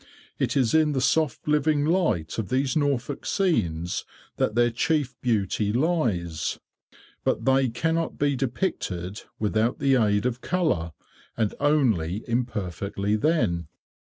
It is in the soft living light of these Norfolk scenes that their chief beauty lies, but they cannot be depicted without the aid of colour, and only imperfectly then.